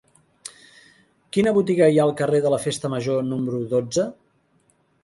Quina botiga hi ha al carrer de la Festa Major número dotze?